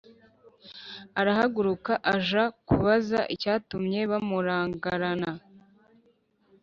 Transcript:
Arahaguruka aja kubaza icyatumye bamurangarana.